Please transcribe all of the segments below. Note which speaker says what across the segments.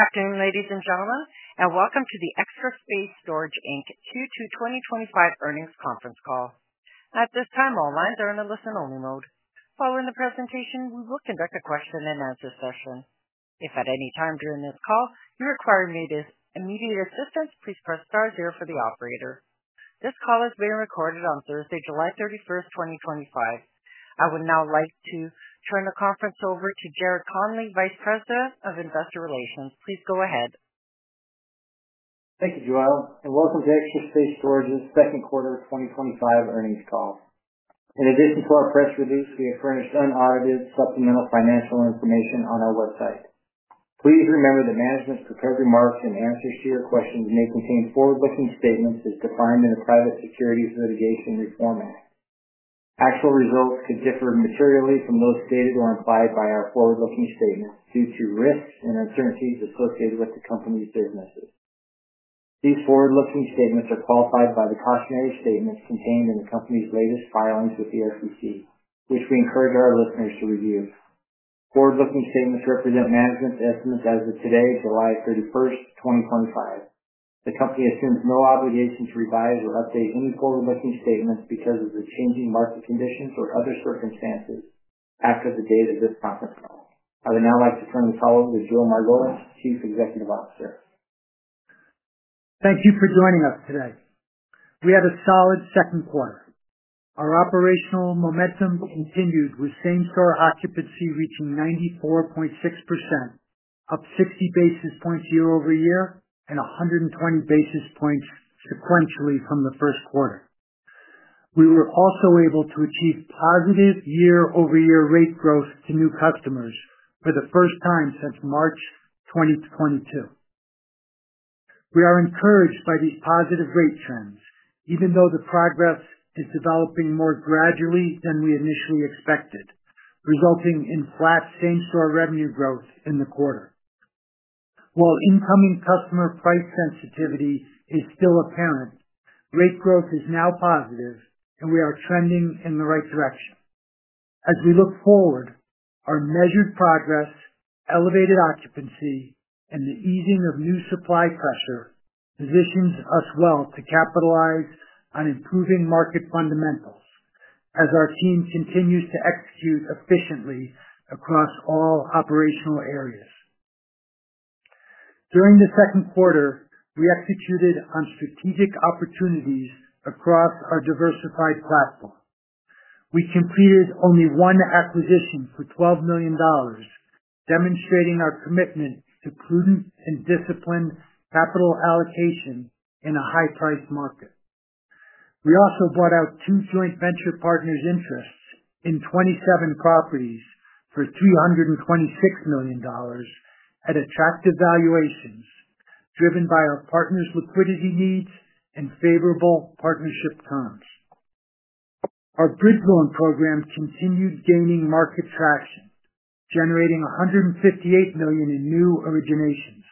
Speaker 1: Afternoon ladies and gentlemen and welcome to the Extra Space Storage Inc Q2 2025 Earnings Conference Call. At this time, all lines are in. A listen-only mode. Following the presentation, we will conduct a question and answer session. If at any time during this call you require immediate assistance, please press star. Zero for the operator. This call is being recorded on Thursday, July 31st, 2025. I would now like to turn the conference over to Jared Conley, Vice President of Investor Relations. Please go ahead.
Speaker 2: Thank you, Joelle, and welcome to Extra Space Storage. Space Storage's Second Quarter 2025 Earnings Call. In addition to our press release, we have furnished unaudited supplemental financial information on our website. Please remember that management's prepared remarks and answers to your questions may contain forward-looking statements as defined in the Private Securities Litigation Reform Act. Actual results could differ materially from those stated or implied by our forward-looking statements due to risks and uncertainties associated with the company's businesses. These forward-looking statements are qualified by the cautionary statements contained in the company's latest filings with the SEC, which we encourage our listeners to review. Forward-looking statements represent management's estimates as of today, July 31st, 2025. The company assumes no obligation to revise or update any forward-looking statements because of the changing market conditions or other circumstances after the date of this conference call. I would now like to turn the call over to Joe Margolis, Chief Executive Officer.
Speaker 3: Thank you for joining us today. We had a solid second quarter. Our operational momentum continued with same store occupancy reaching 94.6%, up 60 basis points year-over-year and 120 basis points sequentially from the first quarter. We were also able to achieve positive year-over-year rate growth to new customers for the first time since March 2022. We are encouraged by these positive rate trends, even though the progress is developing more gradually than we initially expected, resulting in flat same store revenue growth in the quarter. While incoming customer price sensitivity is still apparent, rate growth is now positive and we are trending in the right direction as we look forward. Our measured progress, elevated occupancy, and the easing of new supply pressure position us well to capitalize on improving market fundamentals as our team continues to execute efficiently across all operational areas. During the second quarter, we executed on strategic opportunities across our diversified platform. We completed only one acquisition for $12 million, demonstrating our commitment to prudent and disciplined capital allocation in a high-priced market. We also bought out two joint venture partners' interests in 27 properties for $326 million at attractive valuations driven by our partners' liquidity needs and favorable partnership terms. Our bridge loan program continued gaining market traction, generating $158 million in new originations.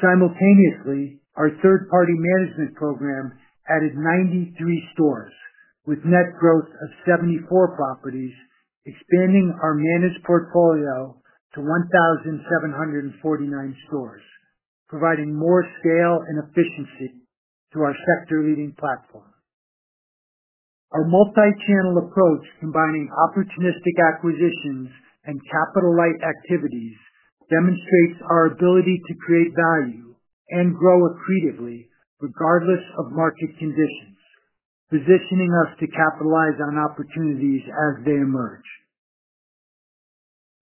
Speaker 3: Simultaneously, our third-party management program added 93 stores with net growth of 74 properties, expanding our managed portfolio to 1,749 stores, providing more scale and efficiency through our sector-leading platform. Our multichannel approach, combining opportunistic acquisitions and capital-light activities, demonstrates our ability to create value and grow accretively regardless of market conditions, positioning us to capitalize on opportunities as they emerge.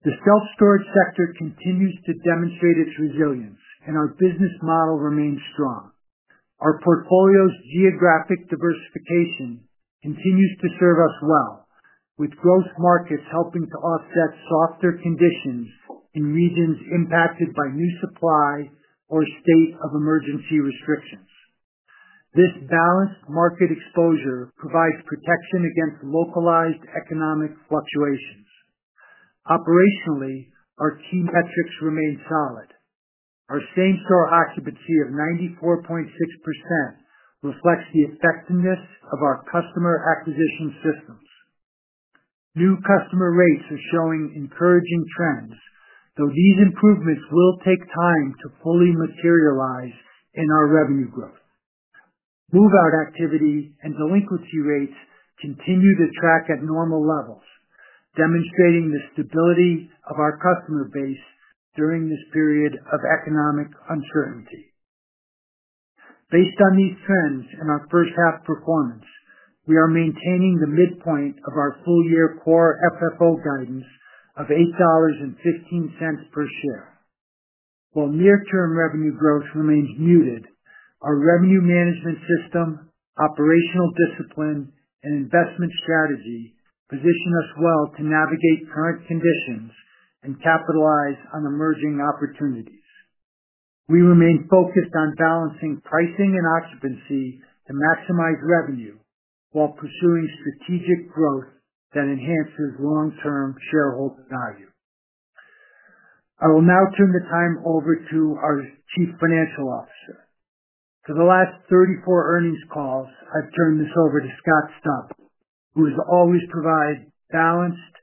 Speaker 3: The self storage sector continues to demonstrate its resilience and our business model remains strong. Our portfolio's geographic diversification continues to serve us well, with growth markets helping to offset softer conditions in regions impacted by new supply or state of emergency restrictions. This balanced market exposure provides protection against localized economic fluctuations. Operationally, our key metrics remain solid. Our same store occupancy of 94.6% reflects the effectiveness of our customer acquisition systems. New customer rates are showing encouraging trends, though these improvements will take time to fully materialize in our revenue growth. Move out activity and delinquency rates continue to track at normal levels, demonstrating the stability of our customer base during this period of economic uncertainty. Based on these trends in our first half performance, we are maintaining the midpoint of our full year core FFO guidance of $8.15 per share while near term revenue growth remains muted. Our revenue management system, operational discipline, and investment strategy position us well to navigate current conditions and capitalize on emerging opportunities. We remain focused on balancing pricing and occupancy to maximize revenue while pursuing strategic growth that enhances long term shareholder value. I will now turn the time over to our Chief Financial Officer for the last 34 earnings calls. I've turned this over to Scott Stubbs who has always provided balanced,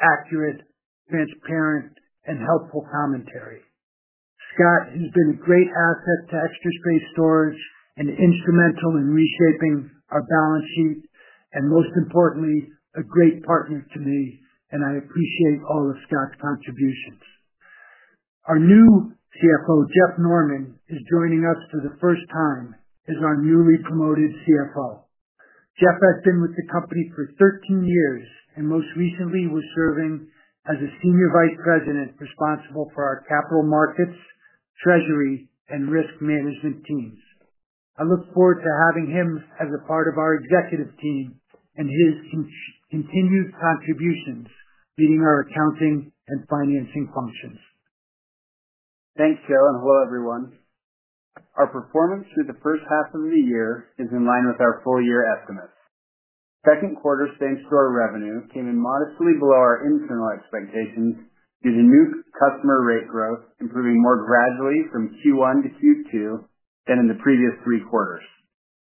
Speaker 3: accurate, transparent, and helpful commentary. Scott has been a great asset to Extra Space Storage and instrumental in reshaping our balance sheet and, most importantly, a great partner to me and I appreciate all of Scott's contributions. Our new CFO Jeff Norman is joining us for the first time as our newly promoted CFO. Jeff has been with the company for 13 years and most recently was serving as a Senior Vice President responsible for our capital markets, treasury, and risk management teams. I look forward to having him as a part of our executive team and his continued contributions leading our accounting and financing functions.
Speaker 4: Thanks Joe and hello everyone. Our performance through the first half of the year is in line with our full year estimates. Second quarter same store revenue came in modestly below our internal expectations due to new customer rate growth improving more gradually from Q1 to Q2 than in the previous three quarters.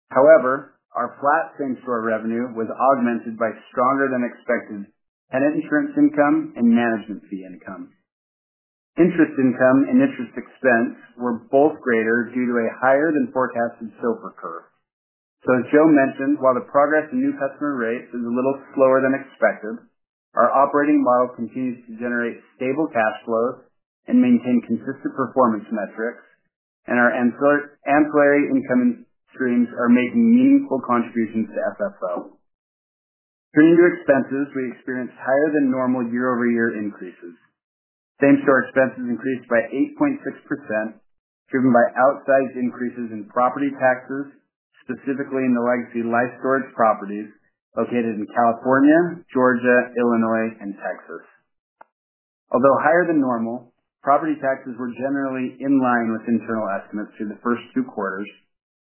Speaker 4: However, our flat same store revenue was augmented by stronger than expected tenant insurance income and management fee income. Interest income and interest expense were both greater due to a higher than forecasted SOFR curve. As Joe mentioned, while the progress in new customer rates is a little slower than expected, our operating model continues to generate stable cash flows and maintain consistent performance metrics, and our ancillary income streams are making meaningful contributions to FFO. Turning to expenses, we experienced higher than normal year-over-year increases. Same store expenses increased by 8.6% driven by outsized increases in property taxes, specifically in the legacy LSI properties located in California, Georgia, Illinois, and Texas. Although higher than normal, property taxes were generally in line with internal estimates through the first two quarters,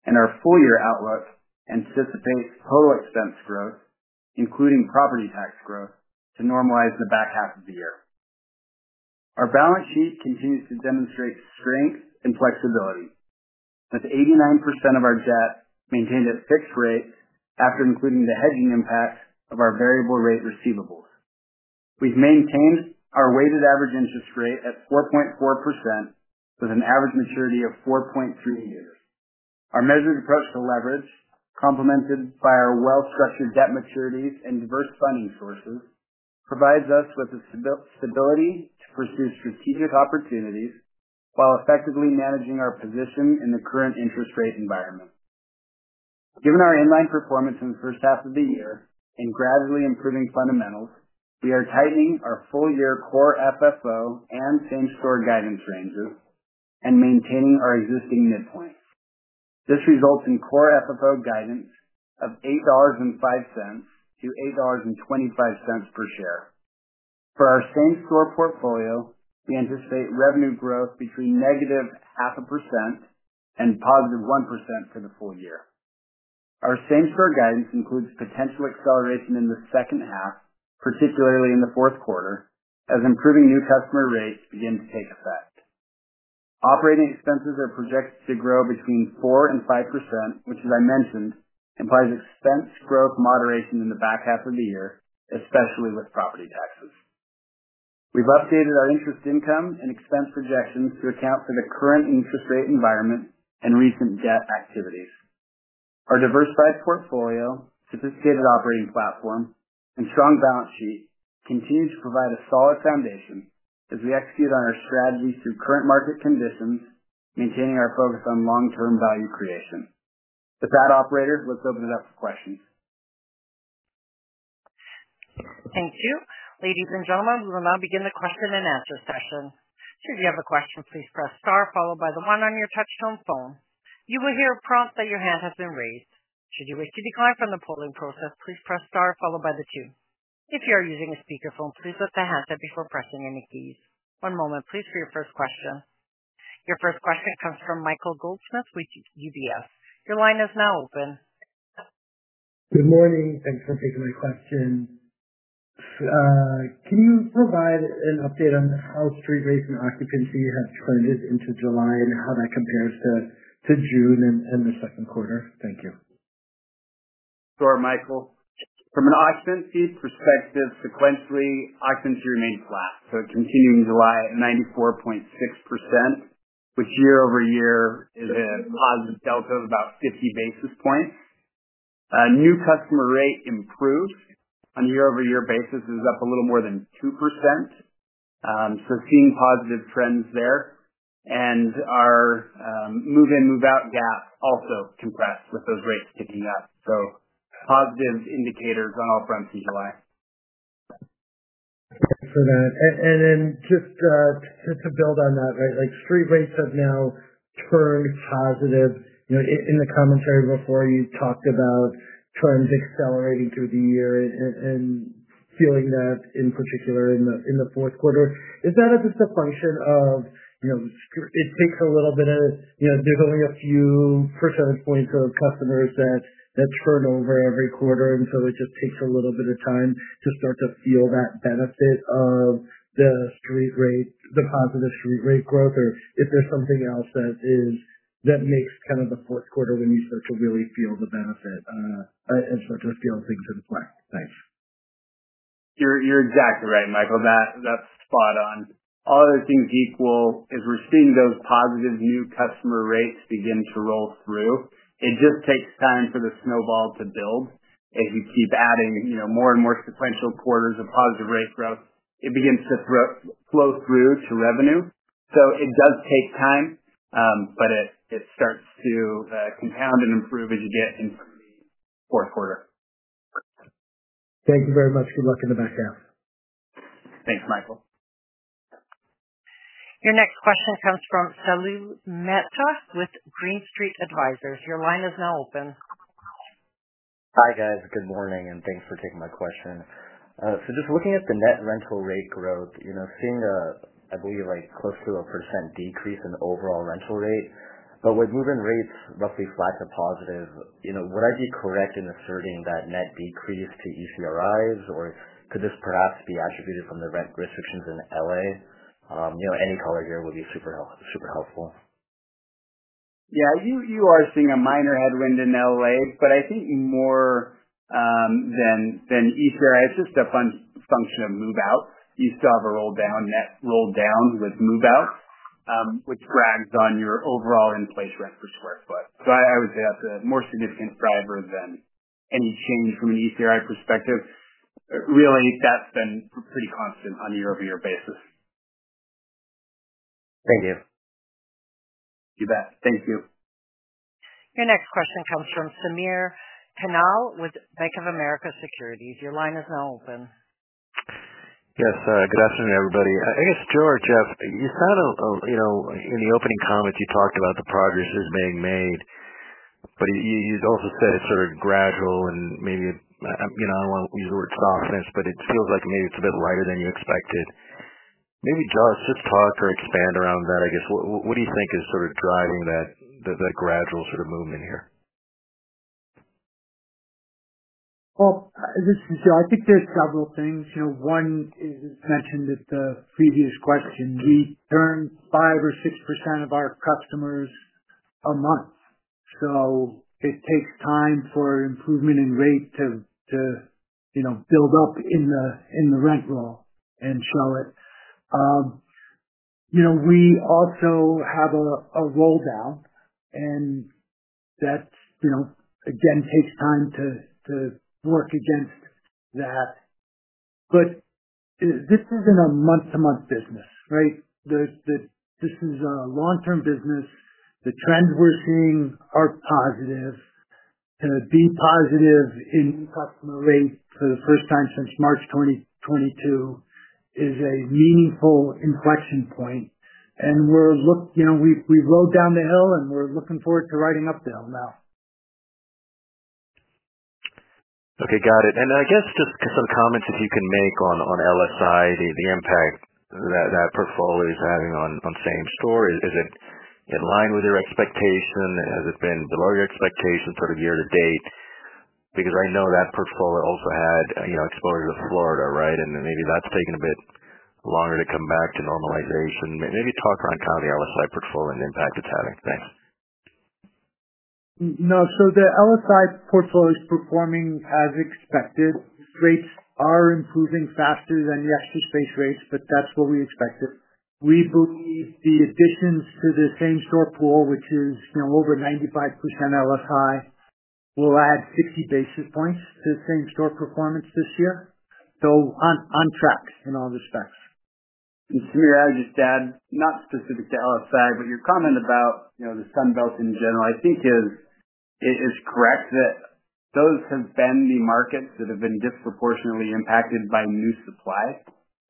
Speaker 4: and our full year outlook anticipates total expense growth including property tax growth to normalize in the back half of the year. Our balance sheet continues to demonstrate strength and flexibility with 89% of our debt maintained at fixed rates. After including the hedging impact of our variable rate receivables, we've maintained our weighted average interest rate at 4.4% with an average maturity of 4.3 years. Our measured approach to leverage, complemented by our well-structured debt maturities and diverse funding sources, provides us with the stability to pursue strategic opportunities while effectively managing our position in the current interest rate environment. Given our in line performance in the first half of the year and gradually improving fundamentals, we are tightening our full year core FFO and same store guidance ranges and maintaining our existing midpoint. This results in core FFO guidance of $8.05-$8.25 per share. For our same store portfolio, we anticipate revenue growth between -0.5% and 1% for the full year. Our same store guidance includes potential acceleration in the second half, particularly in the fourth quarter as improving new customer rates begin to take effect. Operating expenses are projected to grow between 4% and 5%, which as I mentioned implies expense growth moderation in the back half of the year, especially with property taxes. We've updated our interest income and expense projections to account for the current interest rate environment and recent debt activities. Our diversified portfolio, sophisticated operating platform, and strong balance sheet continue to provide a solid foundation as we execute on our strategies through current market conditions, maintaining our focus on long term value creation. With that, operator, let's open it up for questions.
Speaker 1: Thank you, ladies and gentlemen. We will now begin the question and answer session. Should you have a question, please press star followed by one on your touch tone phone. You will hear a prompt that your hand has been raised. Should you wish to decline from the polling process, please press star followed by two. If you are using a speakerphone, please lift the handset before pressing any keys. One moment, please, for your first question. Your first question comes from Michael Goldsmith with UBS. Your. Your line is now open.
Speaker 5: Good morning. Thanks for taking my question. Can you provide an update on how street rates and occupancy have trended into July and how that compares to June and the second quarter? Thank you.
Speaker 4: Sure. From an occupancy perspective, sequentially occupancy remained flat, it continued in July. 94.6%, which year-over-year is a positive delta of about 50 basis points. New customer rate improved on a year-over-year basis, is up a little more than 2%. Seeing positive trends there and our move in move out gap also compressed with those rates picking up. Positive indicators on all fronts in July.
Speaker 5: Thanks for that. Just to build on that, street rates have now turned positive. In the commentary before, you talked about trends accelerating through the year and feeling that in particular in the fourth quarter. Is that just a function of it takes a little bit of time? There's only a few percent of customers that turn over every quarter, so it just takes a little bit of time to start to feel that benefit of the positive street rate growth, or is there something else that makes kind? Of the fourth quarter when you start to really feel the benefit and start to feel things in play. Thanks.
Speaker 4: You're exactly right, Michael. That's spot on. All other things equal, we're seeing those positive new customer rates begin to roll through. It just takes time for the snowball to build. As you keep adding more and more sequential quarters of positive rate growth, it begins to flow through to revenue. It does take time, but it starts to compound and improve as you get into the fourth quarter.
Speaker 5: Thank you very much. Good luck in the back half.
Speaker 4: Thanks Michael.
Speaker 1: Your next question comes from Salil Mehta with Green Street Advisors. Your line is now open.
Speaker 6: Hi guys. Good morning and thanks for taking my question. Just looking at the net rental rate growth, you know, seeing a, I believe like close to a percent decrease in overall rental rate, but with move in rates roughly flat to positive, you know, would I be correct in asserting that net decrease to ECRI or could this perhaps be attributed from the rent restrictions in LA? You know, any color here would be super helpful.
Speaker 4: Yeah, you are seeing a minor headwind in LA, but I think more than ECRI is just a function of move out. You still have a roll down, net roll down with move out, which drags on your overall in place rent per square foot. I would say that's a more significant driver than any change from an ECRI perspective. Really, that's been pretty constant on a year-over-year basis. Thank you.
Speaker 6: You bet. Thank you.
Speaker 1: Your next question comes from Samir Khanal with Bank of America Securities. Your line is now open.
Speaker 7: Yes, good afternoon everybody. I guess Joe or Jeff, you said. In the opening comments you talked about the progress that was being made, but you also said it's sort of gradual and maybe I don't want to use the word softness, but it feels like maybe it's a bit lighter than you expected. Maybe just talk or expand around that, I guess. What do you think is sort of driving that gradual sort of movement here?
Speaker 3: I think there's several things. One is mentioned at the previous question. We turn 5% or 6% of our customers a month. It takes time for improvement in rate to build up in the rent roll and show it. We also have a roll down and that again takes time to work against that. This isn't a month-to-month business. Right. This is a long-term business. The trends we're seeing are positive. To be positive in customer rate for the first time since March 2022 is a meaningful inflection point. We've rode down the hill and we're looking forward to riding up the hill now.
Speaker 7: Okay, got it. I guess just some comments if you can make on LSI, the impact that portfolio is having on same store, is it in line with your expectation? Has it been below your expectations sort of year to date? I know that portfolio also had exposure to Florida. Right. Maybe that's taken a bit longer to come back to normalization. Maybe talk around kind of the LSI portfolio and the impact it's having. Thanks. No. The LSI portfolio is performing as expected. Rates are improving faster than the Extra Space Storage rates, but that's what we expected. We believe the additions to the same store pool, which is over 95% LSI, will add 60 basis points to the same store performance this year. On track in all respects.
Speaker 4: Samir, I would just add, not specific to LSI, but your comment about the Sun Belt in general, I think is correct, that those have been the markets that have been disproportionately impacted by new supply.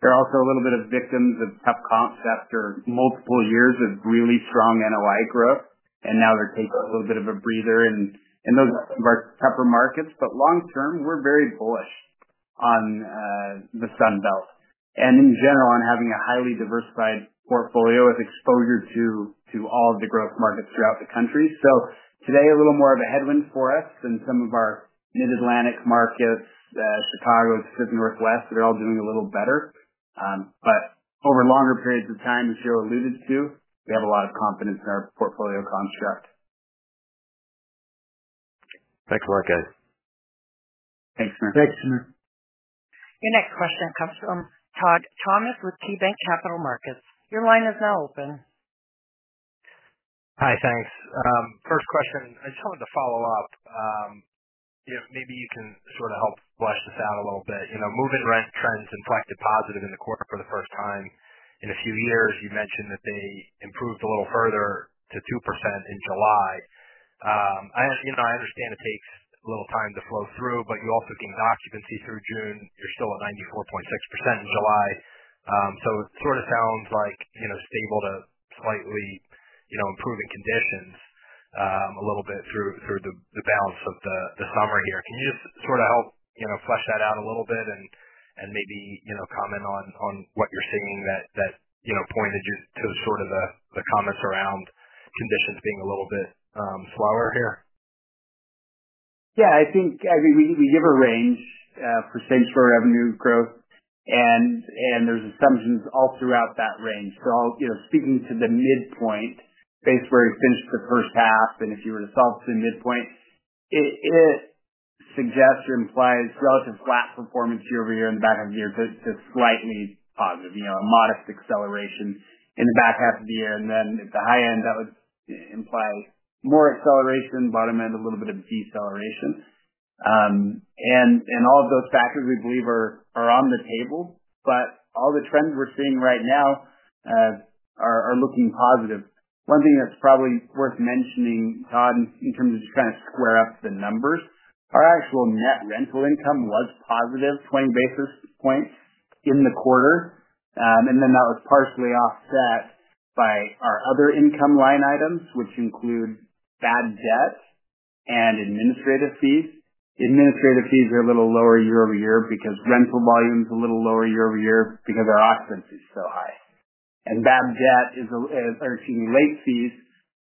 Speaker 4: They're also a little bit of victims of tough comps after multiple years of really strong NOI growth. Now they're taking a little bit of a breather in those tougher markets. Long term, we're very bullish on the Sun Belt and in general on having a highly diversified portfolio with exposure to all of the growth markets throughout the country. Today, a little more of a headwind for us than some of our Mid Atlantic markets. Chicago, Pacific Northwest, they're all doing a little better. Over longer periods of time, as Joe alluded to, we have a lot of confidence in our portfolio construction.
Speaker 7: Thanks a lot, guys.
Speaker 4: Thanks, Samir.
Speaker 1: Your next question comes from Todd Thomas with KeyBanc Capital Markets. Your line is now open.
Speaker 8: Hi. Thanks. First question, I just wanted to follow up. Maybe you can sort of help flesh this out a little bit. Move-in rent trends inflected positive in the quarter for the first time in a few years. You mentioned that they improved a little further to 2% in July. I understand it takes a little time to flow through. You also gained occupancy through June. You're still at 94.6% in July. It sort of sounds like stable to slightly improving conditions a little bit through the balance of the summer here. Can you just sort of help flesh that out a little bit and maybe comment on what you're seeing that pointed to the comments around conditions being a little bit slower here?
Speaker 3: Yeah, I think we give a range. Percentage for revenue growth and there's assumptions all throughout that range. Speaking to the midpoint based where you finished the first half, and if you were to solve the midpoint, it suggests or implies relative flat performance year-over-year in the back half of the year, just slightly positive, a modest acceleration in the back half of the year. At the high end, that would imply more acceleration, bottom end, a little bit of deceleration. All of those factors we believe are on the table. All the trends we're seeing right now are looking positive. One thing that's probably worth mentioning, Todd, in terms of just trying to square up the numbers, our actual net rental income was positive 20 basis points in the quarter. That was partially offset by our other income line items, which include bad debt and administrative fees. Administrative fees are a little lower year-over-year because rental volume is a little lower year-over-year because our occupancy is so high. Late fees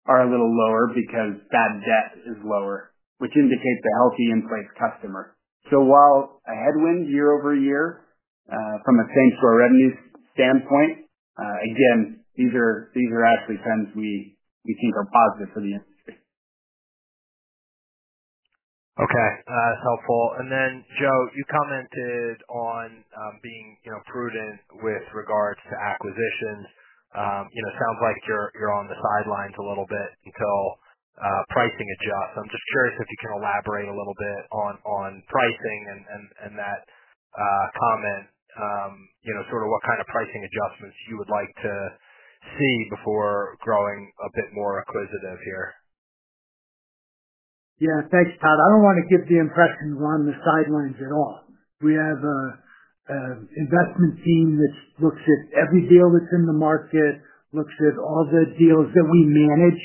Speaker 3: are a little lower because bad debt is lower, which indicates a healthy in place customer. While a headwind year-over-year from a same store revenue standpoint, these are actually trends we think are positive for the industry.
Speaker 8: Okay, that's helpful. Joe, you commented on being prudent with regards to acquisitions. It sounds like you're on the sidelines a little bit until pricing adjusts. I'm just curious if you can elaborate a little bit on pricing and that comment, sort of what kind of pricing adjustments you would like to see before growing a bit more acquisitive here.
Speaker 3: Yeah, thanks Todd. I don't want to give the impression we're on the sidelines at all. We have an investment team that looks at every deal that's in the market, looks at all the deals that we manage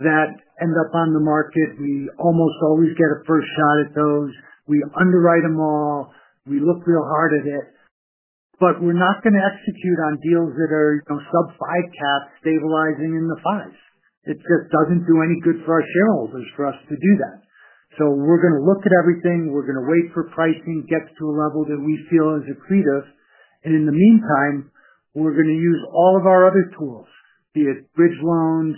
Speaker 3: that end up on the market. We almost always get a first shot at those. We underwrite them all. We look real hard at it. We're not going to execute on deals that are sub-5 cap, stabilizing in the fives. It just doesn't do any good for our shareholders for us to do that. We're going to look at everything. We're going to wait for pricing to get to a level that we feel is accretive, and in the meantime we're going to use all of our other tools, be it bridge loans,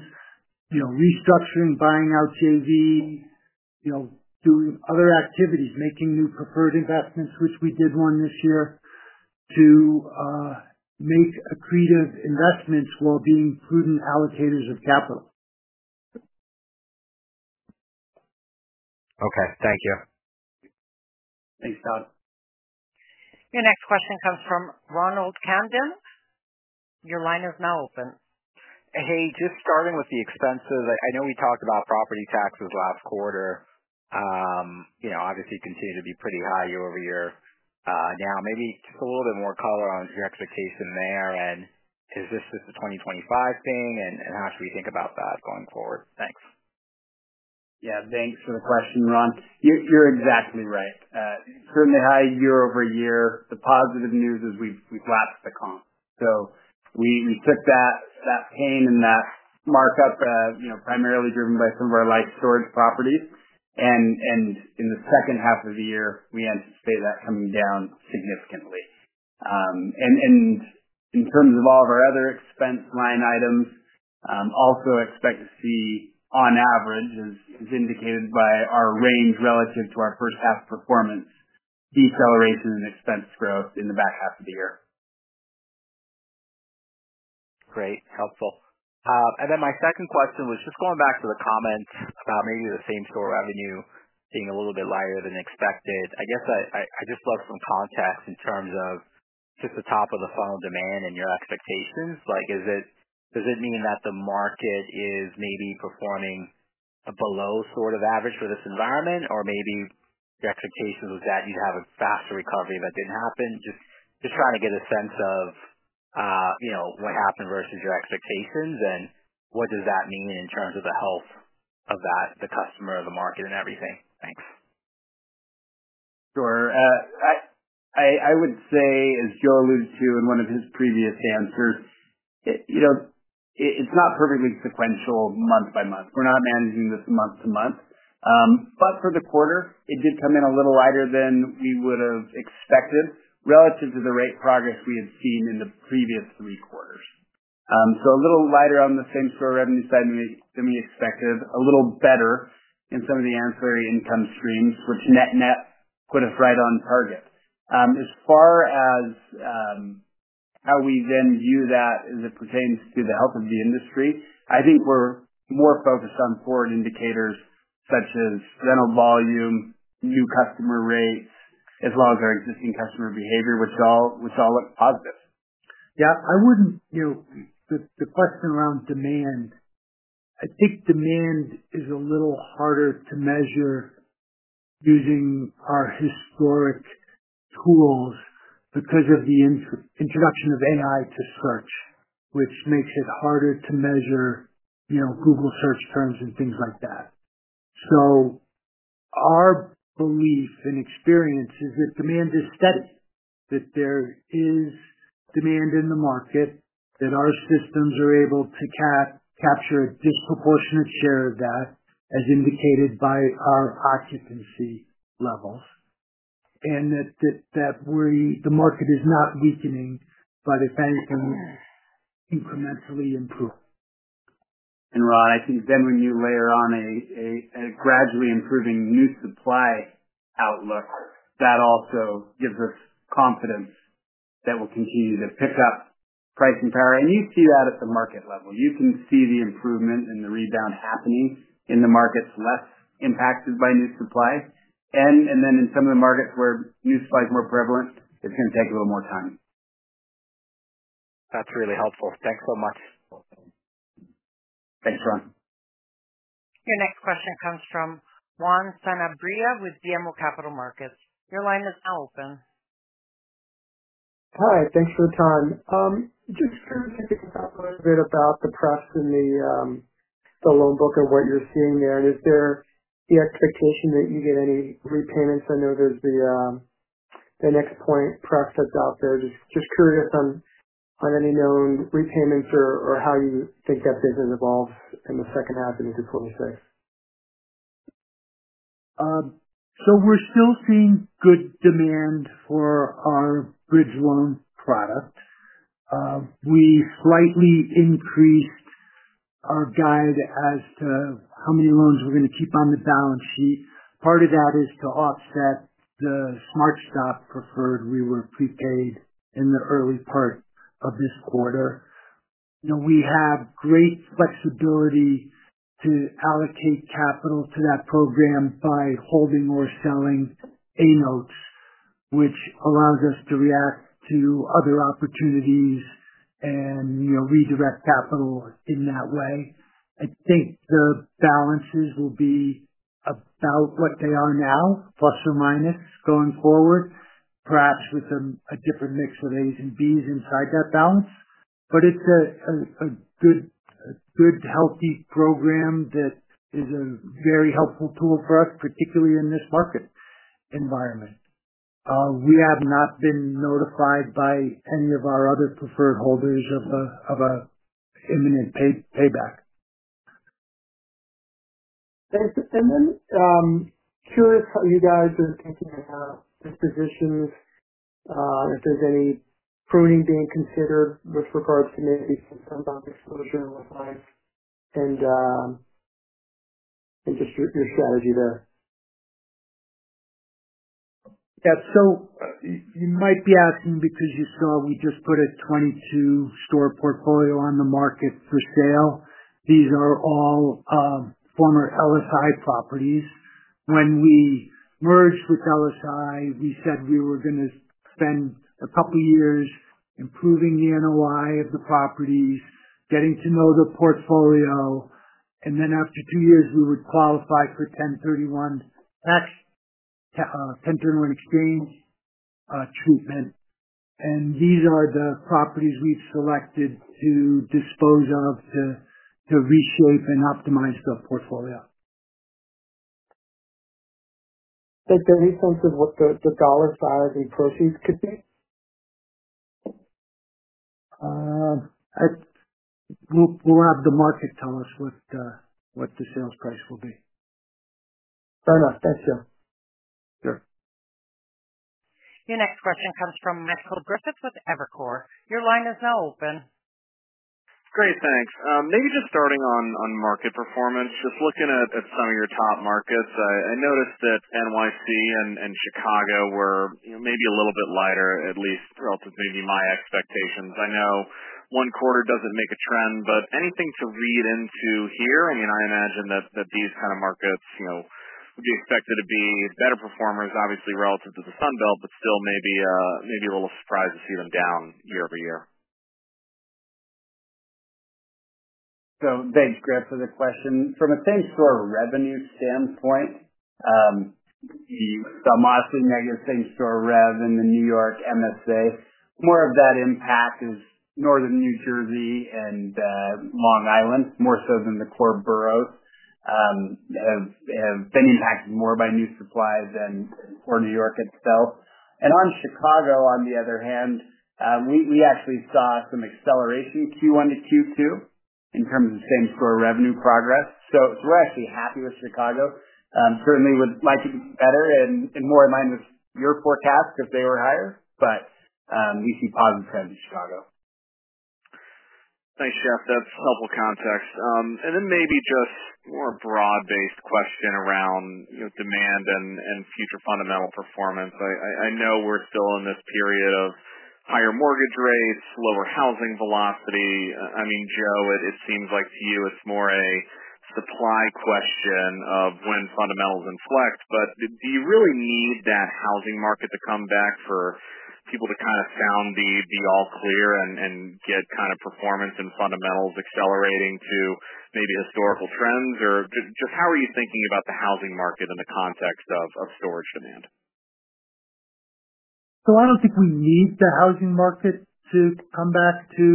Speaker 3: restructuring, buying out joint venture partners, doing other activities, making new preferred investments, which we did one this year, to make accretive investments while being prudent allocators of capital. Okay, thank you. Thanks, Todd.
Speaker 1: Your next question comes from Ronald Kamdem. Your line is now open.
Speaker 9: Hey, just starting with the expenses, I know we talked about property taxes last quarter. Obviously, they continue to be pretty high year-over-year. Maybe just a little bit more color on your expectation there, and is this just a 2025 thing, and how should we think about that going forward? Thanks.
Speaker 4: Yeah, thanks for the question, Ron. You're exactly right. Certainly high year-over-year. The positive news is we lapped the comp, so we took that pain and that markup, primarily driven by some of our LSI properties. In the second half of the year, we anticipate that coming down significantly. In terms of all of our other expense line items, we also expect to see, on average, as indicated by our range relative to our first half performance, deceleration in expense growth in the back half of the year.
Speaker 9: Great, helpful. My second question was just going back to the comments about maybe the same store revenue being a little bit lighter than expected. I guess I just love some context in terms of just the top of the funnel demand and your expectations. Does it mean that the market is maybe performing below sort of average for this environment, or maybe your expectation was that you'd have a faster recovery that didn't happen? Just trying to get a sense of what happened versus your expectations, and what does that mean in terms of the health of that, the customer, the market, and everything. Thanks.
Speaker 4: Sure. I would say, as Joe alluded to in one of his previous answers, it's not perfectly sequential month by month. We're not managing this month to month, but for the quarter it did come in a little lighter than we would have expected relative to the rate progress we had seen in the previous three quarters. A little lighter on the same store revenue side than we expected, a little better in some of the ancillary income streams, which net net put us right on target. As far as how we then view that as it pertains to the health of the industry, I think we're more focused on forward indicators such as rental volume, new customer rates, as well as our existing customer behavior, which all look positive.
Speaker 3: I think demand is a little harder to measure using our historic tools because of the introduction of AI to search, which makes it harder to measure Google search terms and things like that. Our belief and experience is that demand is steady, that there is demand in the market, that our systems are able to capture a disproportionate share of that as indicated by our occupancy levels, and that the market is not weakening but incrementally improving.
Speaker 4: Rod, I think when you layer on a gradually improving new supply outlook, that also gives us confidence that we'll continue to pick up pricing power. You see that at the market level; you can see the improvement and the rebound happening in the markets less impacted by new supply. In some of the markets where new supply is more prevalent, it's going to take a little more time.
Speaker 9: That's really helpful. Thanks so much.
Speaker 4: Thanks, Ron.
Speaker 1: Your next question comes from Juan Sanabria with BMO Capital Markets. Your line is now open.
Speaker 10: Hi, thanks for the time. Just curious if you can talk. Little bit about the prefs and the loan book and what you're seeing there, and is there the expectation that you get any repayments? I know there's the next point pref that's out there. Just curious on any known repayments or how you think that business evolves in second half 2026.
Speaker 3: We're still seeing good demand for our bridge loan product. We slightly increased our guide as to how many loans we're going to keep on the balance sheet. Part of that is to offset the SmartStop preferred. We were prepaid in the early part of this quarter. We have great flexibility to allocate capital to that program by holding or selling A notes, which allows us to react to other opportunities and redirect capital in that way. I think the balances will be about what they are now, plus or minus going forward, perhaps with a different mix of A's and B's inside that balance. It's a good, healthy program that is a very helpful tool for us, particularly in this market environment. We have not been notified by any of our other preferred holders of imminent payback.
Speaker 10: Thanks. Curious how you guys are thinking about dispositions, if there's any pruning being considered with regards to maybe some exposure and just your strategy there.
Speaker 3: You might be asking because you saw we just put a 22-store portfolio on the market for sale. These are all former LSI properties. When we merged with LSI we said we were going to spend a couple years improving the NOI of the properties, getting to know the portfolio, and then after two years we would qualify for 1031 exchange treatment. These are the properties we've selected to dispose of to reshape and optimize the portfolio.
Speaker 10: Is there any sense of what the dollar size and proceeds could be?
Speaker 3: We'll have the market tell us what the sales price will be.
Speaker 10: Fair enough. Thanks, Joe.
Speaker 3: Sure.
Speaker 1: Your next question comes from Michael Griffin with Evercore. Your line is now open. Great, thanks. Maybe just starting on market performance. Just looking at some of your top markets, I noticed that NYC and Chicago were maybe a little bit lighter, at least relative to maybe my expectations. I know one quarter doesn't make a trend, but anything to read into here. I imagine that these kind of markets would be expected to be better performers obviously relative to the Sun Belt, but still maybe a little surprised to see them down year-over-year.
Speaker 4: Thanks, Griff, for the question. From a same store revenue standpoint, the modestly negative same store revenue in the New York MSA, more of that impact is northern New Jersey and Long Island more so than the core boroughs, have been impacted more by new supply than for New York itself. On Chicago, on the other hand, we actually saw some acceleration Q1 to Q2 in terms of same store revenue progress. We're actually happy with Chicago. Certainly would like to be better and more in line with your forecast if they were higher. We see positive trends in Chicago.
Speaker 11: Thanks, Jeff. That's helpful context and then maybe just more broad-based question around demand and future fundamental performance. I know we're still in this period of higher mortgage rates, lower housing velocity. Joe, it seems like to you it's more a supply question of when fundamentals inflect, but do you really need that housing market to come back for people to kind of sound the all clear and get kind of performance and fundamentals accelerating to maybe historical trends or just how are you thinking about the housing market in the context of storage demand?
Speaker 3: I don't think we need the housing market to come back to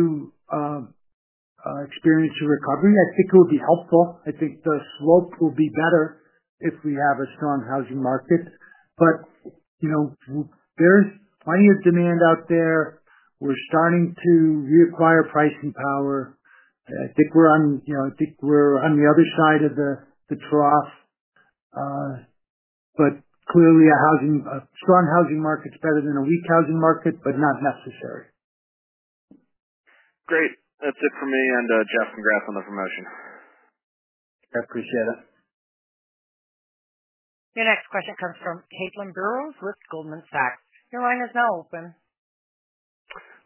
Speaker 3: experience a recovery. I think it would be helpful. I think the slope will be better if we have a strong housing market. There's plenty of demand out there. We're starting to reacquire pricing power. I think we're on the other side of the trough. Clearly, a strong housing market is better than a weak housing market, but not necessary.
Speaker 11: Great. That's it for me and Jeff. Congrats on the promotion.
Speaker 4: I appreciate it.
Speaker 1: Your next question comes from Caitlin Burrows with Goldman Sachs. Your line is now open.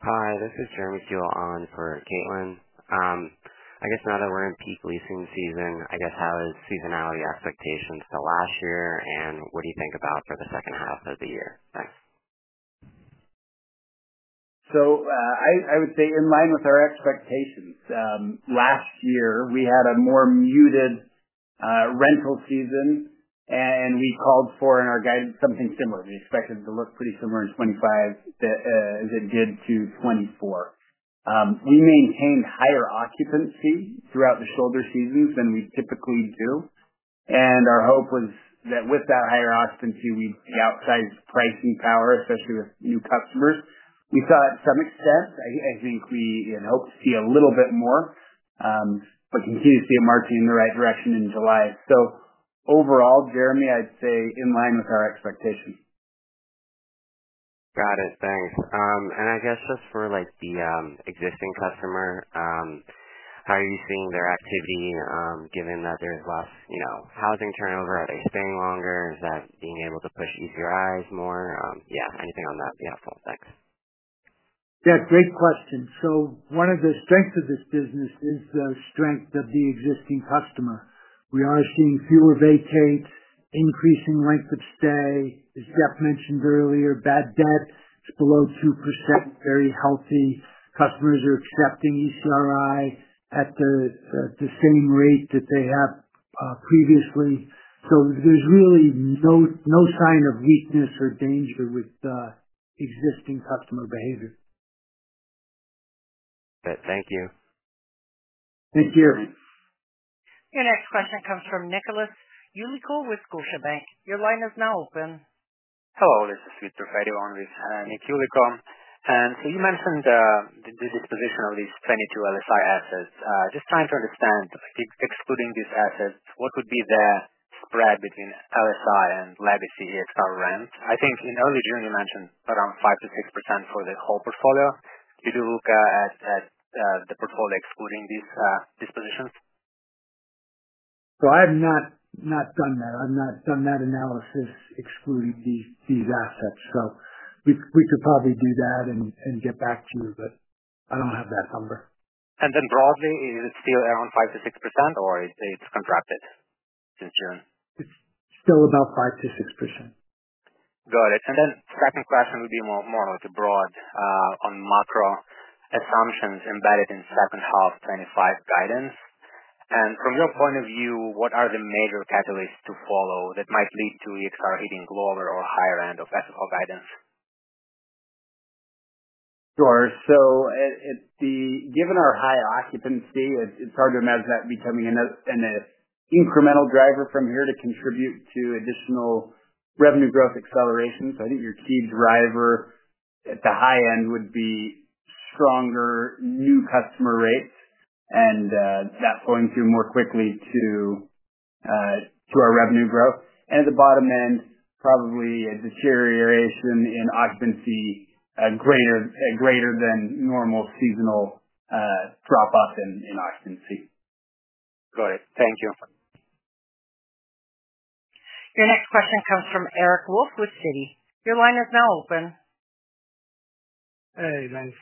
Speaker 12: Hi, this is Jeremy Furlong on for Caitlin. I guess now that we're in peak leasing season, how is seasonality expectations for last year and what do you think about for the second half of the year? Thanks.
Speaker 4: I would say in line with our expectations, last year we had a more muted rental season and we called for in our guidance something similar. We expected it to look pretty similar in 2025 as it did to 2024. We maintained higher occupancy throughout the shoulder seasons than we typically do. Our hope was that with that higher occupancy we'd see outsized pricing power, especially with new customers. We saw it to some extent. I think we hope to see a little bit more but continue to see it marching in the right direction in July. Overall, Jeremy, I'd say in line with our expectations.
Speaker 12: Got it, thanks. Just for the existing customer, how are you seeing their activity? Given that there's less housing turnover, are they staying longer? Is that being able to push ECRI more? Anything on that would be helpful, thanks.
Speaker 3: Great question. One of the strengths of this business is the strength of the existing customer. We are seeing fewer vacate, increasing length of stay, as Jeff mentioned earlier. Bad debt is below 2%. Very healthy customers are accepting ECRI at the same rate that they have previously. There's really no sign of weakness or danger with existing customer behavior.
Speaker 12: Thank you.
Speaker 3: Thank you, Irving.
Speaker 1: Your next question comes from Nicholas Yulico with Scotiabank. Your line is now open.
Speaker 13: Hello, this is with Nicholas Yulico with Scotiabank. You mentioned the disposition of these 22 LSI assets. Just trying to understand, excluding these assets, what would be the spread between LSI and legacy Extra rent? I think in early June you mentioned around 5%-6% for the whole portfolio. Did you look at the portfolio excluding these dispositions?
Speaker 3: I have not done that analysis excluding these assets. We could probably do that and get back to you, but I don't have that number.
Speaker 13: Is it still around. 5%-6%, or it's contracted since June?
Speaker 3: It's still about 5%-6%.
Speaker 13: Got it. Second question would be more like a broad on macro assumptions embedded in second half 2025 guidance. From your point of view, what are the major catalysts to follow that might lead to Extra hitting lower or higher end of ethical guidance.
Speaker 4: Sure. Given our high occupancy, it's hard to imagine that becoming an incremental driver from here to contribute to additional revenue growth acceleration. I think your key driver at the high end would be stronger new customer rates and that's going through more quickly to our revenue growth. At the bottom end, probably a deterioration in occupancy greater than normal seasonal drop off in occupancy.
Speaker 13: Got it. Thank you.
Speaker 1: Your next question comes from Eric Wolfe with Citi. Your line is now open.
Speaker 14: Hey, thanks.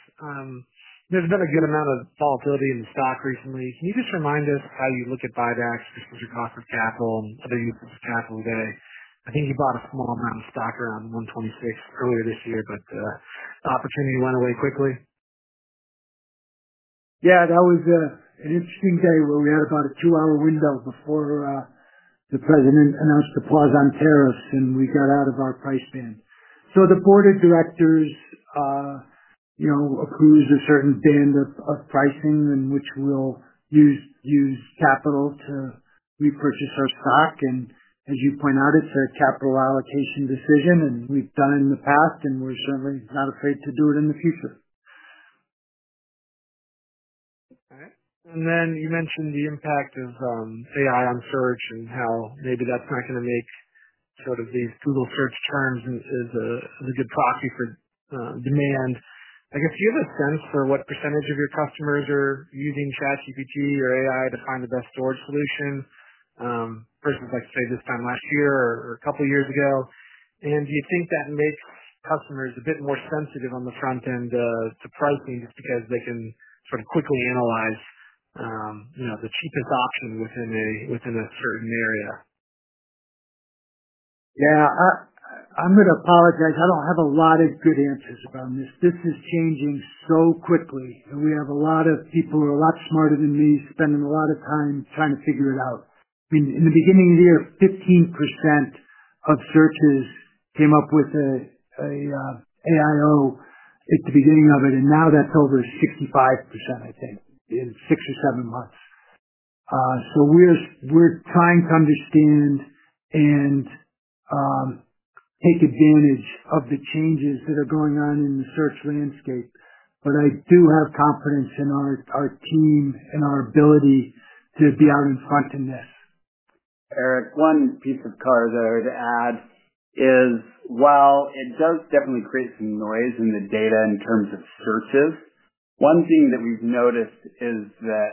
Speaker 14: There's been a good amount of volatility in the stock recently. Can you just remind us how you look at buybacks, cost of capital, and other uses of capital today? I think you bought a small amount of stock around $126 earlier this year, but the opportunity went away quickly.
Speaker 3: That was an interesting day where we had about a two hour window before the President announced the pause on tariffs and we got out of our price band. The board of directors accused a certain band of pricing in which we'll use capital to repurchase our stock. As you point out, it's a capital allocation decision and we've done it in the past and we're certainly not afraid to do it in the future.
Speaker 14: You mentioned the impact of AI on search and how maybe that's not going to make sort of these Google search terms as a good proxy for demand, I guess. Do you have a sense for what percent of your customers are using ChatGPT. AI to find the best storage. Solution versus, like, say, this time last year or a couple years ago? Do you think that makes customers a bit more sensitive on the front end to pricing just because they can sort of quickly analyze the cheapest option within a certain area?
Speaker 3: Yeah. I apologize, I don't have a lot of good answers around this. This is changing so quickly. We have a lot of people who are a lot smarter than me spending a lot of time trying to figure it out. At the beginning of the year, 15% of searches came up with an AIO at the beginning of it, and now that's over 65%, I think in six or seven months. We are trying to understand. Take. Advantage of the changes that are going on in the search landscape. I do have confidence in our team and our ability to be out in front in this.
Speaker 4: Eric, one piece of color that I would add is while it does definitely create some noise in the data in terms of searches, one thing that we've noticed is that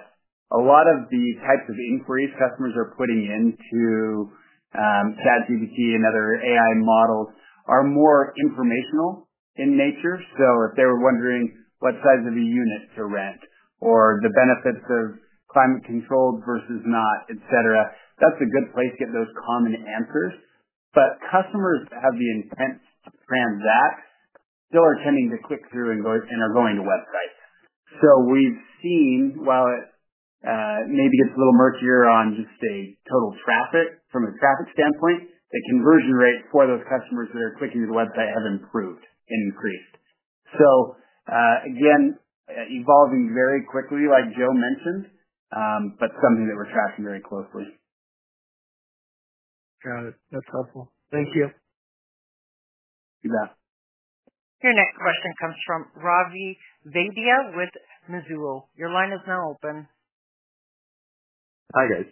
Speaker 4: a lot of the types of inquiries customers are putting into ChatGPT and other AI models are more informational in nature. If they were wondering what size of a unit to rent or the benefits of climate controlled versus not, et cetera, that's a good place to get those common answers. Customers that have the intent to transact still are tending to click through and are going to websites. We've seen while it maybe gets a little murkier on just total traffic, from a traffic standpoint, the conversion rate for those customers that are clicking to the website have improved, increased. Again, evolving very quickly like Joe mentioned, but something that we're tracking very closely.
Speaker 14: Got it. That's helpful. Thank you.
Speaker 1: Your next question comes from Ravi Vaidya with Mizuho. Your line is now open.
Speaker 15: Hi guys.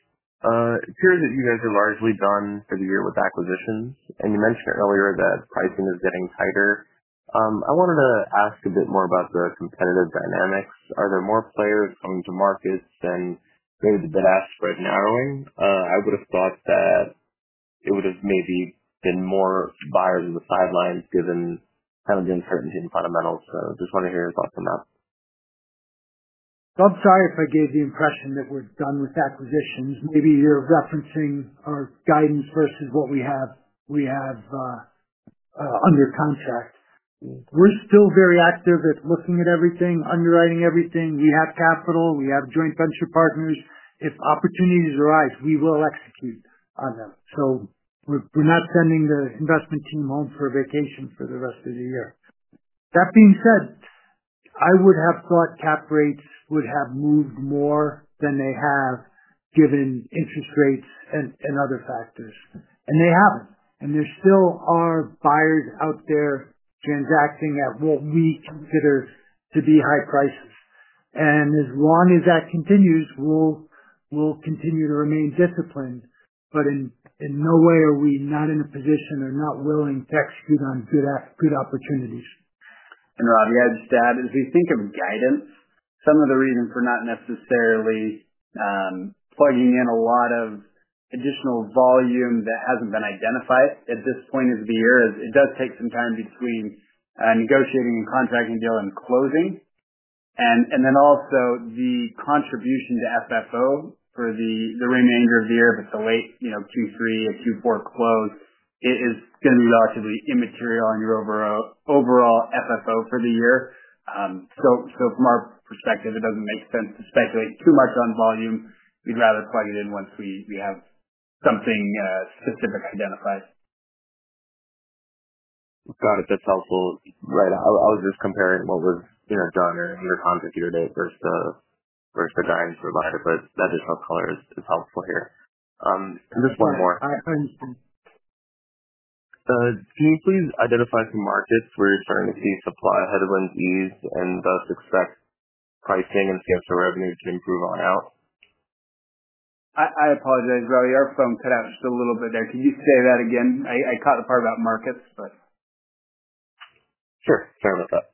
Speaker 15: It appears that you guys are largely done for the year with acquisitions, and you mentioned earlier that pricing is getting tighter. I wanted to ask a bit more about the competitive dynamics. Are there more players coming to markets than maybe the bid ask spread narrowing? I would have thought that it would have maybe been more buyers on the sidelines given kind of the uncertainty and fundamentals. I just wanted to hear your thoughts on that.
Speaker 3: I'm sorry if I gave the impression that we're done with acquisitions. Maybe you're referencing our guidance versus what we have under contract. We're still very active at looking at everything, underwriting everything. We have capital, we have joint venture partners. If opportunities arise, we will execute on them. We're not sending the investment team home for a vacation for the rest of the year. That being said, I would have thought cap rates would have moved more than they have given interest rates and other factors, and they haven't. There still are buyers out there transacting at what we consider to be high prices. As long as that continues, we'll continue to remain disciplined. In no way are we not in a position or not willing to execute on good opportunities.
Speaker 4: Ravi, I'd just add as we think of guidance, some of the reason for not necessarily plugging in a lot of additional volume that hasn't been identified at this point of the year is that it does take some time between negotiating and contracting a deal and closing, and then also the contribution to FFO for the remainder of the year. The late Q3, Q4 close is going to be largely immaterial on your overall FFO for the year. From our perspective, it doesn't make sense to speculate too much on volume. We'd rather plug it in once we have something specific identified. Got it. That's helpful, right? I was just comparing what was done under contract year to date versus the guidance provided, but that additional color is helpful here. Just one more, can you please identify some markets where you're starting to see supply headwinds ease and thus expect pricing and schemes for revenue to improve on out? I apologize, Ravi, our phone cut out just a little bit there. Can you say that again? I caught the part about markets.
Speaker 15: Sure. Sorry about that.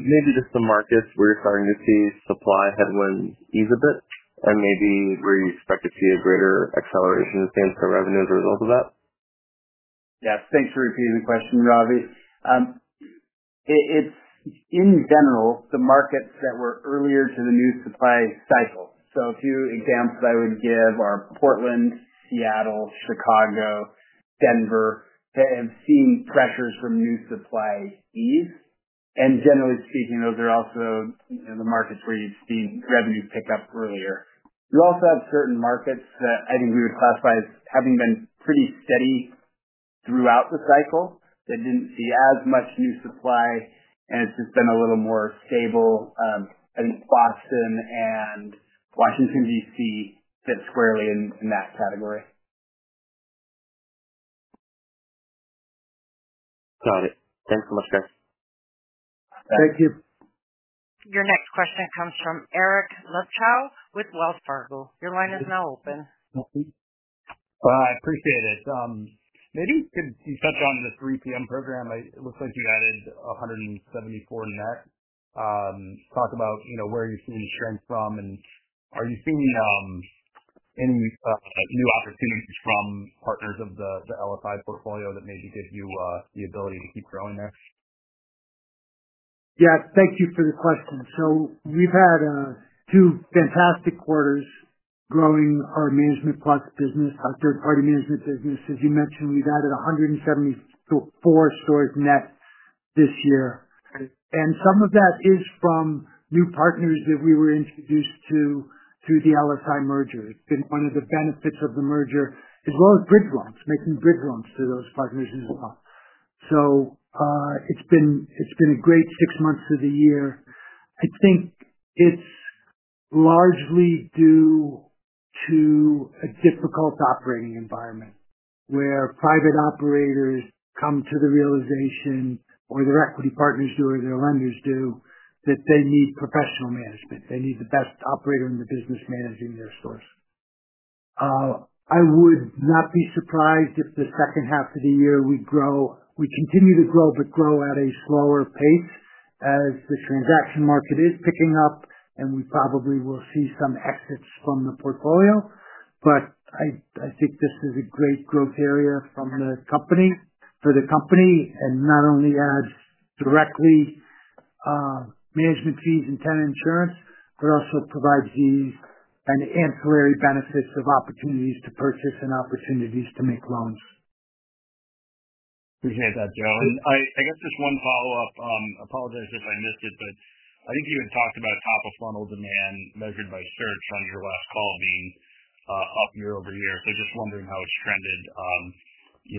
Speaker 15: Maybe just the markets where we're starting to see supply headwinds ease a bit and maybe where you expect to see a greater acceleration in same store revenue as a result of that.
Speaker 4: Yes, thanks for repeating the question, Ravi. It's in general the markets that were earlier to the new supply cycle, so a few examples I would give are Portland, Seattle, Chicago, and Denver that have seen pressures from new supply ease, and generally speaking, those are also the markets where you've seen revenue pick up earlier. You also have certain markets that I think we would classify as having been pretty steady throughout the cycle that didn't see as much new supply and it's just been a little more stable. I think Boston and Washington, D.C. fit squarely in that category.
Speaker 15: Got it. Thanks so much, guys.
Speaker 3: Thank you.
Speaker 1: Your next question comes from Eric Luebchow with Wells Fargo. Your line is now open.
Speaker 16: I appreciate it. Maybe you touch on the 3PM program. It looks like you added 174 net. Talk about where you're seeing strength from, and are you seeing any new opportunities from partners of the LSI portfolio that maybe give you the ability to keep growing there?
Speaker 3: Yeah, thank you for the question. We've had two fantastic quarters growing our management plus business, our third-party management business. As you mentioned, we've added 174 stores net this year and some of that is from new partners that we were introduced to through the LSI merger. It's been one of the benefits of the merger as well as bridge loans, making bridge loans to those partners as well. It's been a great six months of the year. I think it's largely due to a difficult operating environment where private operators come to the realization or their equity partners do, or their lenders do, that they need professional management, they need the best operator in the business managing their stores. I would not be surprised if the second half of the year we grow, we continue to grow, but grow at a slower pace as the transaction market is picking up. We probably will see some exits from the portfolio. I think this is a great growth area for the company and not only adds directly management fees and tenant insurance, but also provides the ancillary benefits of opportunities to purchase and opportunities to make loans.
Speaker 16: Appreciate that, Joe. I guess just one follow up, apologize if I missed it, but I think you had talked about top of funnel demand measured by search on your last call being up year-over-year. Just wondering if and how it's trended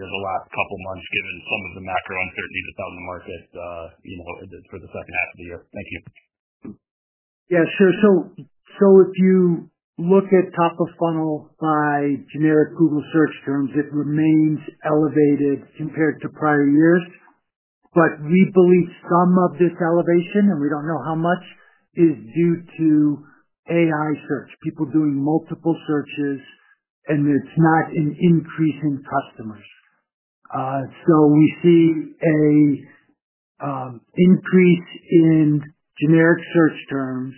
Speaker 16: the last couple months given some of the macro uncertainty that's out in the market for the second half of the year. Thank you.
Speaker 3: Yeah, sure. If you look at top of funnel by generic Google search terms, it remains elevated compared to prior years. We believe some of this elevation, and we don't know how much, is due to AI search, people doing multiple searches, and it's not an increase in customers. We see an increase in generic search terms.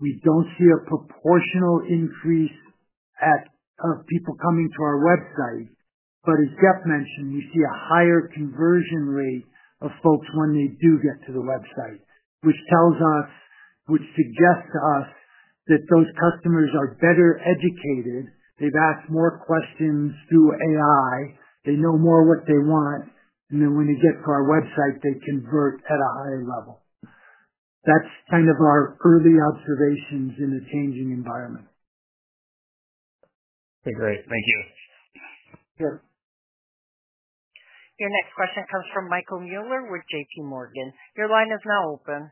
Speaker 3: We don't see a proportional increase of people coming to our website. As Jeff mentioned, we see a higher conversion rate of folks when they do get to the website, which tells us, which suggests to us, that those customers are better educated, they've asked more questions through AI, they know more what they want, and then when they get to our website, they convert at a higher level. That's kind of our early observations in a changing environment.
Speaker 16: Okay, great. Thank you.
Speaker 1: Your next question comes from Michael Mueller with JPMorgan. Your line is now open.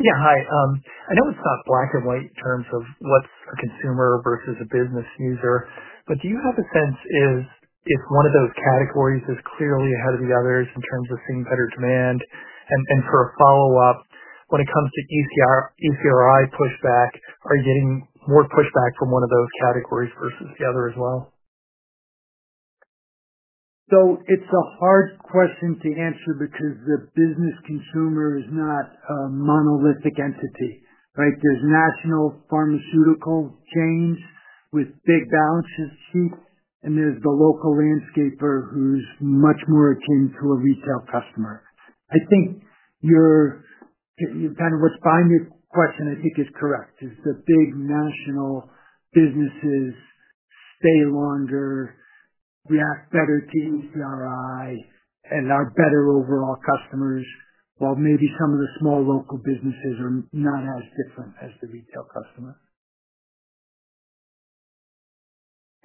Speaker 17: Yeah. Hi. I know it's not black and white in terms of what's a consumer versus a business user, but do you have a sense if one of those categories is clearly ahead of the others in terms of seeing better demand? For a follow up, when it comes to ECRI pushback, are you getting more pushback from one of those categories versus the other as well?
Speaker 3: It's a hard question to answer because the business consumer is not a monolithic entity. Right. are national pharmaceutical chains with big balance sheets and there's the local landscaper who's much more akin to a retail customer. I think what's behind your question is correct. The big national businesses stay longer, react better to ECRI, and are better overall customers, while maybe some of the small local businesses are not as different as the retail customer.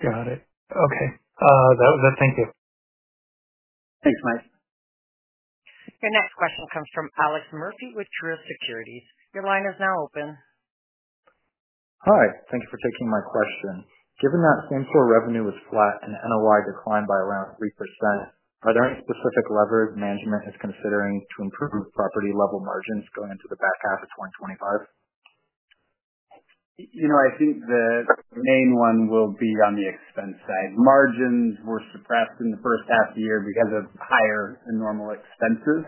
Speaker 3: Got it.
Speaker 17: Okay. That was it. Thank you.
Speaker 4: Thanks, Mike.
Speaker 1: Your next question comes from Alex Murphy with Truist Securities. Your line is now open.
Speaker 18: Hi. Thank you for taking my question. Given that same store revenue was flat and NOI declined by around 3%, are there any specific levers management is considering to improve property level margins going into the back half of 2025?
Speaker 4: I think the main one will be on the expense side. Margins were suppressed in the first half of the year because of higher normal expenses.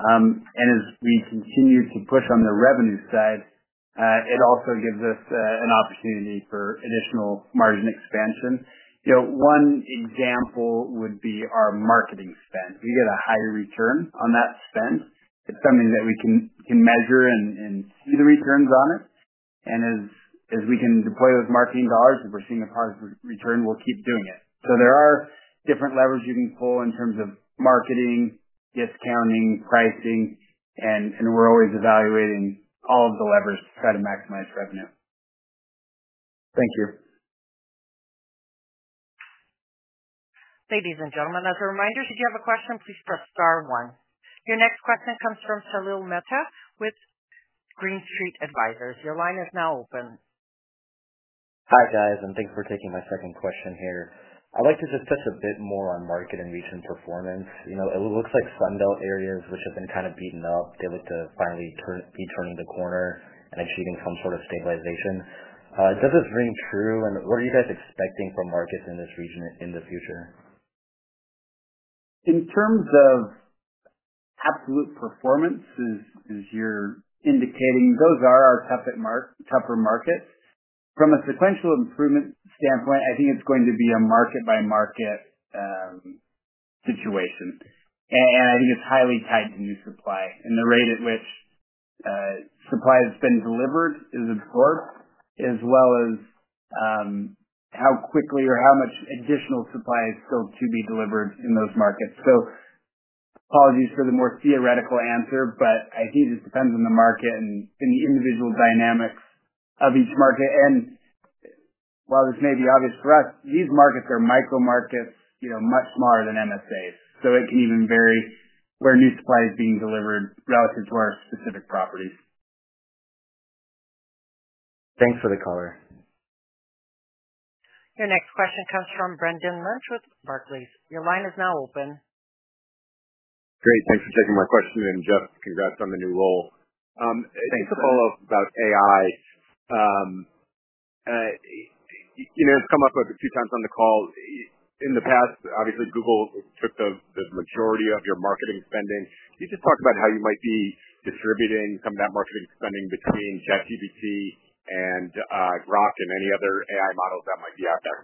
Speaker 4: As we continue to push on the revenue side, it also gives us an opportunity for additional margin expansion. One example would be our marketing spend. We get a high return on that spend. It's something that we can measure and see the returns on it. As we can deploy those marketing dollars, if we're seeing a positive return, we'll keep doing it. There are different levers you can pull in terms of marketing, discounting, pricing, and we're always evaluating all of the levers to try to maximize revenue.
Speaker 18: Thank you.
Speaker 1: Ladies and gentlemen, as a reminder, should you have a question, please press star one. Your next question comes from Salil Mehta with Green Street Advisors. Your line is now open.
Speaker 6: Hi guys, and thanks for taking my second question here. I'd like to just touch a bit more on market and region performance. It looks like Sun Belt areas, which have been kind of beaten up, look to finally be turning the corner and achieving some sort of stabilization. Does this ring true, and what are you guys expecting from markets in this region in the future in terms of absolute performance? As you're indicating, those are our tougher markets from a sequential improvement standpoint. I think it's going to be a market-by-market situation, and I think it's highly tied to new supply and the rate at which supply that's been delivered is absorbed, as well as how quickly or how much additional supply is still to be delivered in those markets.
Speaker 4: Apologies for the more theoretical answer, but I think it just depends on the market and the individual dynamics of each market. While this may be obvious for us, these markets are micro markets, much smaller than MSAs, so it can even vary where new supply is being delivered relative to our specific properties.
Speaker 6: Thanks for the color.
Speaker 1: Your next question comes from Brendan Lynch with Barclays. Your line is now open.
Speaker 19: Great. Thanks for taking my question. Jeff, congrats on the new role. Thanks. To follow up about AI, it's come up a few times on the call in the past. Obviously, Google took the majority of your marketing spending. Can you just talk about how you might be distributing some of that marketing spending between ChatGPT and Grok and any other AI models that might be out there?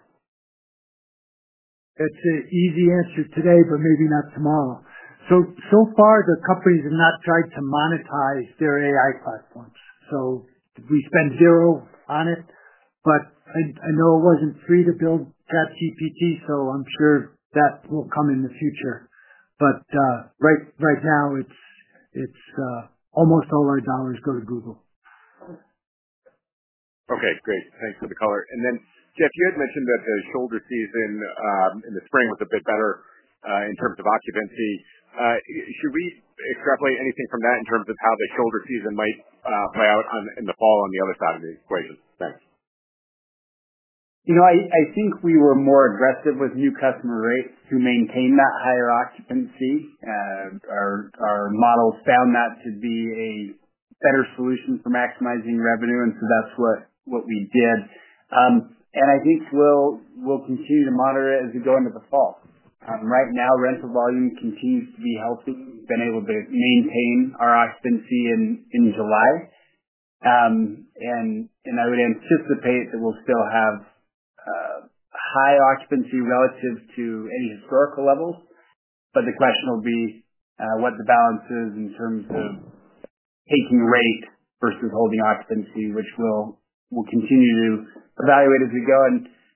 Speaker 4: It's an easy answer today, but maybe not tomorrow. So far the companies have not tried to monetize their AI platforms, so we spent zero on it. I know it wasn't free to build ChatGPT, so I'm sure that will come in the future. Right now almost all our dollars go to Google.
Speaker 19: Okay, great. Thanks for the color. Jeff, you had mentioned that the shoulder season, the spring, was a bit better in terms of occupancy. Should we extrapolate anything from that in terms of how the shoulder season might play out in the fall on the other side of the equation? Thanks.
Speaker 4: I think we were more. Aggressive with new customer rates to maintain that higher occupancy. Our models found that to be a better solution for maximizing revenue, and that's what we did. I think we'll continue to monitor it as we go into the fall. Right now, rental volume continues to be healthy. We've been able to maintain our occupancy in July, and I would anticipate that we'll still have high occupancy relative to any historical levels. The question will be what the balance is in terms of taking rate versus holding occupancy, which we'll continue to evaluate as we go.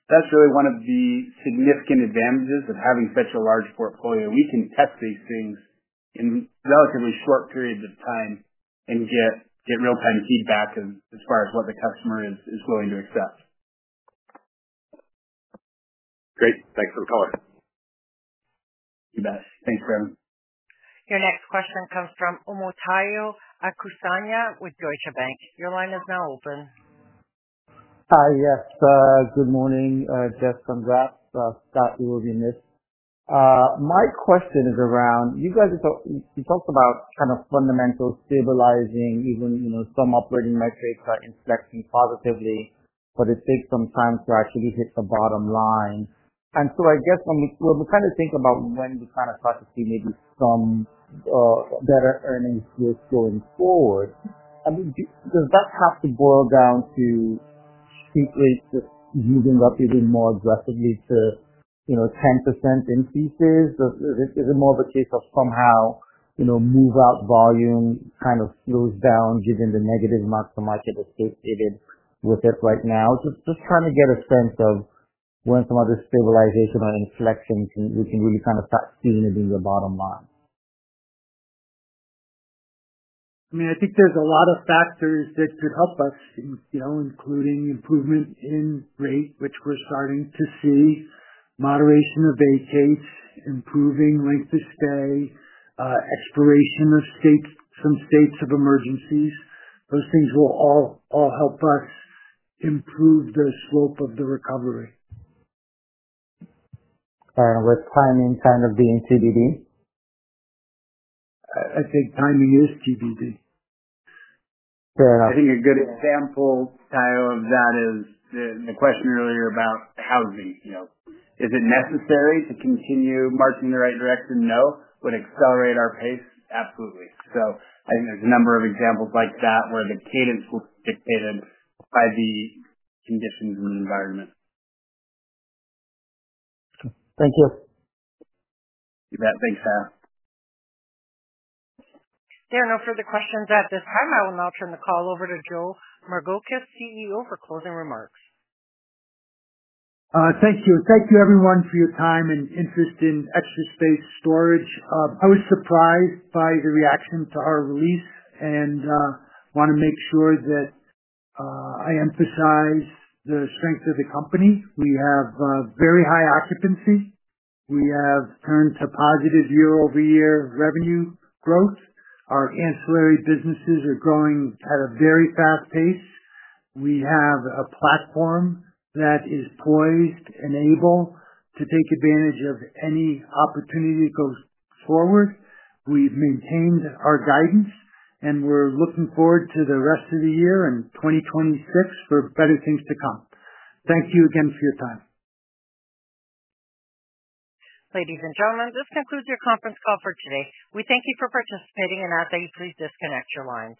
Speaker 4: That's really one of the significant advantages of having such a large portfolio. We can test these things in relatively short periods of time and get real-time feedback as far as what the customer is willing to accept. Great. Thanks for the color.
Speaker 19: You, bet. Thanks, Brendan.
Speaker 1: Your next question comes from Omotayo Okusanya with Deutsche Bank. Your line is now open.
Speaker 20: Hi. Yes, good morning, Jeff. Congrats, Scott. You will be missed. My question is around you guys, you talked about kind of fundamentals stabilizing. Even some operating metrics are inflecting positively, but it takes some time to actually hit the bottom line. I guess when we kind. Think about when we kind of. Start to see maybe some better earnings growth going forward, does that have to boil down to heat rates just moving up even more aggressively to 10% increases? Is it more of a case of? Somehow, move-out volume kind of slows. Given the negative month, the market escapes even with it right now, just trying to get a sense of when some other stabilization or inflection, we can really kind of start seeing it in the bottom line.
Speaker 4: I mean I think there's a lot of factors that could help us, including improvement in rate, which we're starting to see. Moderation of vacates, improving length of stay, expiration of some states of emergencies—those things will all help us improve the slope of the recovery with timing. Kind of being TBD. I think timing is TBD. Fair enough. I think a good example of that is the question earlier about housing. Is it necessary to continue marching in the right direction? No. Would it accelerate our pace? Absolutely. I think there's a number of examples like that where the cadence will be dictated by the conditions in the environment.
Speaker 20: Thank you, Thanks, Hannah.
Speaker 1: There are no further questions at this time. I will now turn the call over to Joe Margolis, CEO, for closing remarks.
Speaker 3: Thank you. Thank you everyone for your time and interest in Extra Space Storage. I was surprised by the reaction to our release and want to make sure that I emphasize the strength of the company. We have very high occupancy. We have turned to positive year-over-year revenue growth. Our ancillary businesses are growing at a very fast pace. We have a platform that is poised and able to take advantage of any opportunity that goes forward. We've maintained our guidance, and we're looking forward to the rest of the year and 2026 for better things to come. Thank you again for your time.
Speaker 1: Ladies and gentlemen, this concludes your conference call for today. We thank you for participating and ask that you please disconnect your lines. Please.